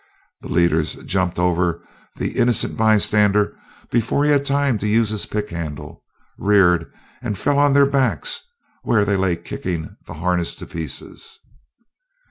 The leaders jumped over "the Innocent Bystander" before he had time to use his pickhandle, reared and fell on their backs, where they lay kicking the harness to pieces.